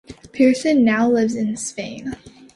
Pearson now lives in Spain.